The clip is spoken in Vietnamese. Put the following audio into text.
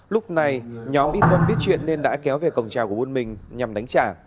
lúc này nhóm y chun biết chuyện nên đã kéo về cổng trào của buôn minh nhằm đánh trả